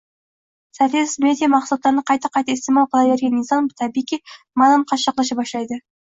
Saviyasiz media mahsulotlarni qayta-qayta iste`mol qilavergan inson, tabiiyki, ma`nan qashshoqlasha boshlaydi